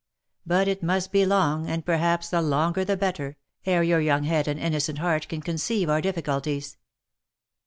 But it must be long, and perhaps the longer the better, ere 208 THE LIFE AND ADVENTURES your young head and innocent heart, can conceive our diffi culties.